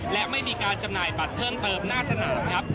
และไม่มีการจำหน่ายบัตรเพิ่มเติมหน้าสนามครับ